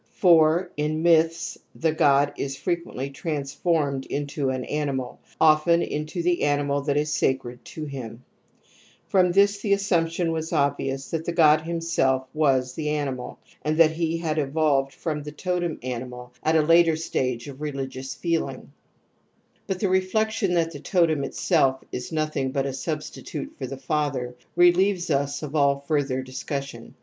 4.1n myths the god is frequently transformed into an animal, often into the animal that is sacred to him. 'FfpTYi this th^ HF^uniptign^wA^nhviniis that the^j[g4JiiffiSi^Ls ^s tj jg^ ^aftjmal^and that / He had evolved jbcun the totem Mumai «^ irktter stage of religious feeling. But the reflection that the totem itself is nothing but a substitute for the father relieves us of all further discus sion.